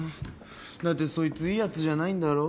だってそいつイイ奴じゃないんだろ？